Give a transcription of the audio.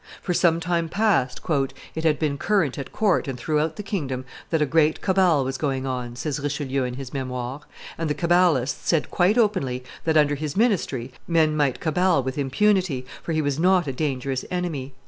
For some time past "it had been current at court and throughout the kingdom that a great cabal was going on," says Richelieu in his Memoires, "and the cabalists said quite openly that under his ministry, men might cabal with impunity, for he was not a dangerous enemy."